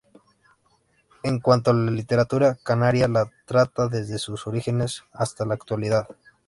En cuanto a la literatura canaria la trata, desde sus orígenes hasta la actualidad.